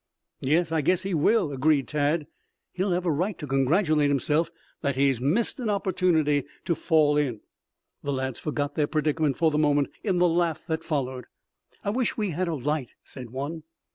"Yes, I guess he will," agreed Tad. "He'll have a right to congratulate himself that he has missed an opportunity to fall in." The lads forgot their predicament for the moment in the laugh that followed. "I wish we had a light," said one.